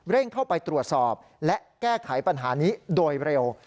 เข้าไปตรวจสอบและแก้ไขปัญหานี้โดยเร็ว